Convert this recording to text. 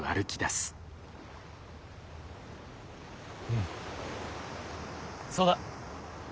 うんそうだ。